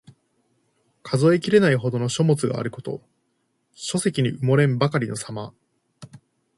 数えきれないほどの書物があること。書籍に埋もれんばかりのさま。